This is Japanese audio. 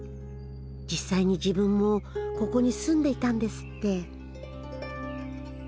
実際に自分もここに住んでいたんですって。